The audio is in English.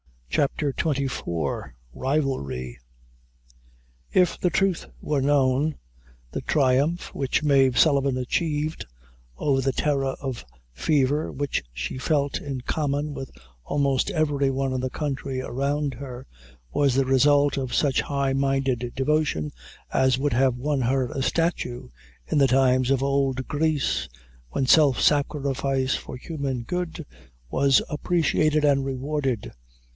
CHAPTER XXIV. Rivalry. If the truth were known, the triumph which Mave Sullivan achieved over the terror of fever which she felt in common with almost every one in the country around her, was the result of such high minded devotion, as would have won her a statue in the times of old Greece, when self sacrifice for human good was appreciated and rewarded.